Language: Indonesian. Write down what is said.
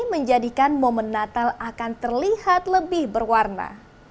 menjadikan momen natal akan terlihat lebih berwarna